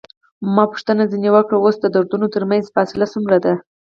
ما پوښتنه ځنې وکړل: اوس د دردونو ترمنځ فاصله څومره ده؟